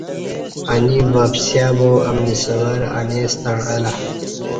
انی وپسیا با امنی سور انی ستݩع الہ